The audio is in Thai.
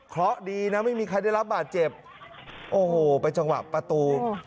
เพราะดีนะไม่มีใครได้รับบาดเจ็บโอ้โหไปจังหวะประตู